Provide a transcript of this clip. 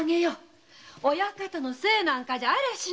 親方のせいなんかじゃありゃしないよ。